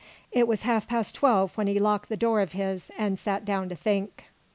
It was half past twelve when be locked the door of his and sat down to think.